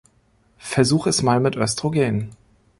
Versuch es mal mit Östrogen.